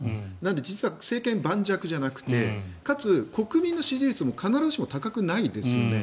実は政権、盤石じゃなくてかつ国民の支持率も必ずしも高くないですよね。